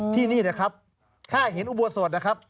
ที่นี่นะครับถ้าเห็นอุโบสถนะครับ